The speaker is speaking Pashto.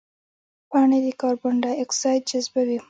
پاڼې د کاربن ډای اکساید جذبوي